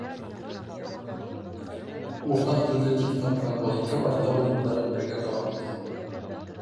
Уртаҡ телде тиҙ тапҡан был икәү артабан юлдарын бергә дауам итә.